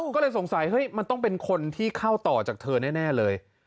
ก็เลยสงสัยเฮ้ยมันต้องเป็นคนที่เข้าต่อจากเธอแน่เลย